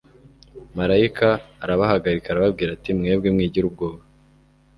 malayika arabahagarika arababwira ati: " mwebwe mwigira ubwoba